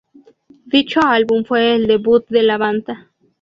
Dicho álbum fue el debut de la banda.